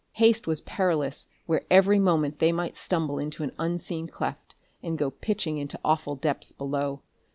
Haste was perilous where every moment they might stumble into an unseen cleft and go pitching into awful depths below.